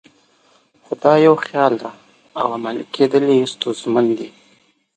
خو دا یو خیال دی او عملي کېدل یې ستونزمن دي.